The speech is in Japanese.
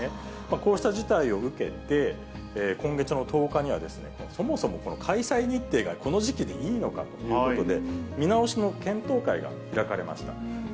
こうした事態を受けて、今月の１０日にはそもそもこの開催日程がこの時期でいいのかということで、見直しの検討会が開かれました。